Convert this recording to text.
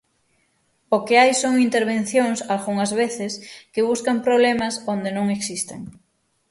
O que hai son intervencións, algunhas veces, que buscan problemas onde non existen.